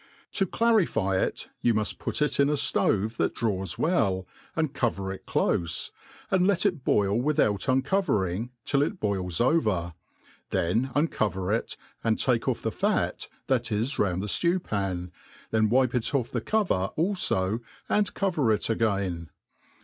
To c]a^ lify it, you muft put it in a flove that draws well, and cover it cloie, and let it boil without uncovering, till it boils over ; then uacover it, and take off the fat that is round the ftew pan, then wipe' it off the cover alfo, and cover it again.